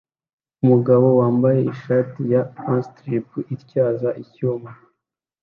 Umugabo wambaye ishati ya pinstripe ityaza icyuma